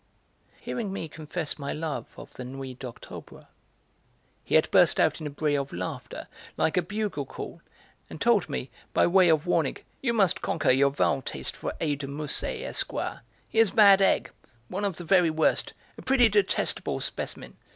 Hearing me confess my love of the Nuit d'Octobre, he had burst out in a bray of laughter, like a bugle call, and told me, by way of warning: "You must conquer your vile taste for A. de Musset, Esquire. He is a bad egg, one of the very worst, a pretty detestable specimen.